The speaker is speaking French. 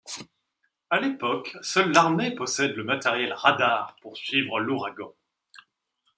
À l'époque, seule l'armée possède le matériel radar pour suivre l'ouragan.